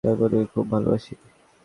আমি তোমাদেরকে খুব ভালোবাসি।